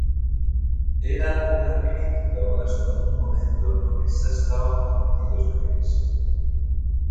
Era unha critica ao gasto nun momento no que xa estabamos metidos na crise.